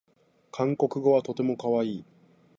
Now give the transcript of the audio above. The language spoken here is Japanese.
韓国語はとてもかわいい